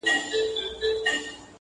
o زوړ يار، ځين کړی آس دئ.